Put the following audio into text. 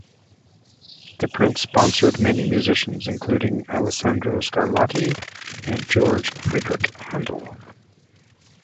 The prince sponsored many musicians including Alessandro Scarlatti and George Frideric Handel.